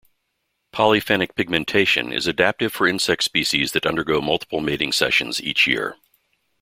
Polyphenic pigmentation is adaptive for insect species that undergo multiple mating seasons each year.